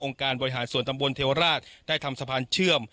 การบริหารส่วนตำบลเทวราชได้ทำสะพานเชื่อม